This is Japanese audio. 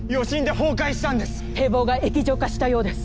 堤防が液状化したようです。